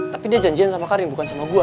tapi dia janjian sama karim bukan sama gue